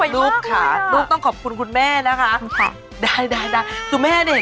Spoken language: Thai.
ลูกขาลูกต้องขอบคุณคุณแม่นะคะ